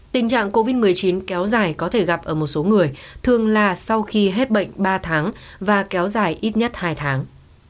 tình trạng covid một mươi chín kéo dài có thể gặp ở một số người thường là sau khi hết bệnh ba tháng và kéo dài ít nhất hai tháng